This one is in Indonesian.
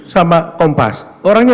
sama kompas orangnya